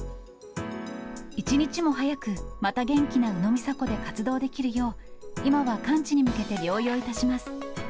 一日も早く、また元気な宇野実彩子で活動できるよう、今は完治に向けて療養いたします。